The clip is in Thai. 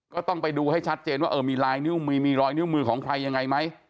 ก็ต้องไปดูให้ชัดเจนว่าเออมีลายนิ้วมือมีรอยนิ้วมือของใครยังไงไหม